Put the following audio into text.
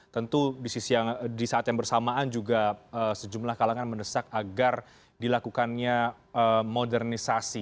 tentu di saat yang bersamaan juga sejumlah kalangan mendesak agar dilakukannya modernisasi